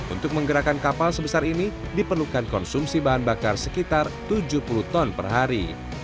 untuk menggerakkan kapal sebesar ini diperlukan konsumsi bahan bakar sekitar tujuh puluh ton per hari